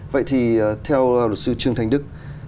vậy thì theo luật sư trương thành đức